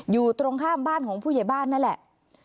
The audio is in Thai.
อยู่ตรงข้ามบ้านของผู้ใหญ่บ้านนั่นแหละ